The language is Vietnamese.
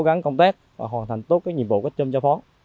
là cố gắng công tác và hoàn thành tốt nhiệm vụ cách chung cho phó